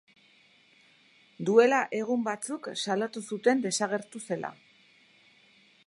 Duela egun batzuk salatu zuten desagertu zela.